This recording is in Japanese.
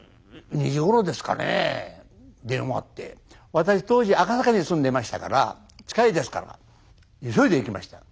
私当時赤坂に住んでましたから近いですから急いで行きました。